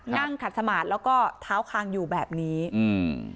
นั่งขัดสมาธิแล้วก็เท้าคางอยู่แบบนี้อืม